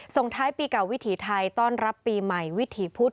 ส่งท้ายปีเก่าวิถีไทยต้อนรับปีใหม่วิถีพุธ